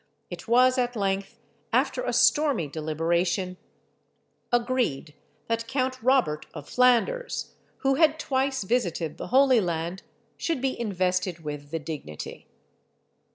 It was at length, after a stormy deliberation, agreed that Count Robert of Flanders, who had twice visited the Holy Land, should be invested with the dignity.